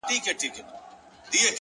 مهرباني د زړه ژبه ده.!